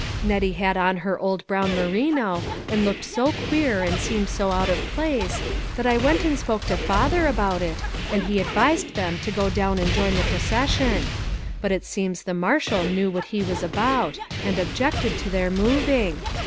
Nettie had on her old brown merino, and looked so queer and seemed so out of place, that I went and spoke to father about it, and he advised them to go down and join the procession ; but it seems the marshal knew what he was about, and objected to their moving.